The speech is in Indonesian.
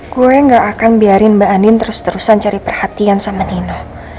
gue gak akan biarin mbak anin terus terusan cari perhatian sama nino